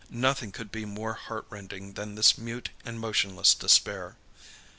Nothing could be more heartrending than this mute and motionless despair.